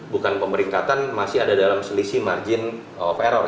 bukan pemeringkatan masih ada dalam selisih margin of error